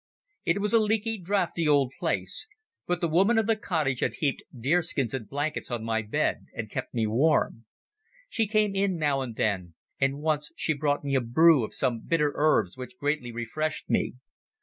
It was a leaky, draughty old place, but the woman of the cottage had heaped deerskins and blankets on my bed and kept me warm. She came in now and then, and once she brought me a brew of some bitter herbs which greatly refreshed me.